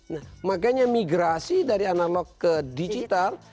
nah makanya migrasi dari analog ke digital